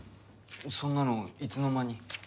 そんなのいつの間に？